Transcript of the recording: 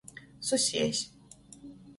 Susiejs.